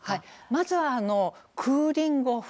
まずはクーリング・オフ